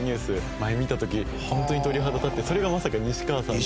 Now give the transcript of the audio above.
前見た時ホントに鳥肌立ってそれがまさか西川さんで。